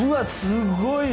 すごい。